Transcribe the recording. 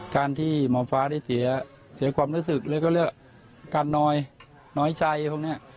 การที่หมอฟ้าได้เสียความรู้สึกแล้วก็เลือกการน้อยน้อยใจพวกนี้